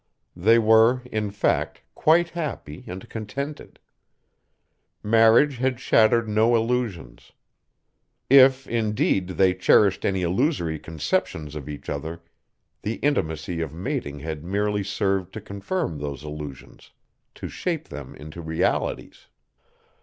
They were, in fact, quite happy and contented. Marriage had shattered no illusions. If, indeed, they cherished any illusory conceptions of each other, the intimacy of mating had merely served to confirm those illusions, to shape them into realities.